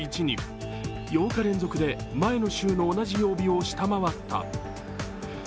８日連続で前の週の同じ曜日を下回った。